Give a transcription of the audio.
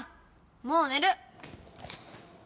もう寝る！